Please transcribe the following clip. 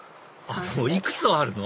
いくつあるの？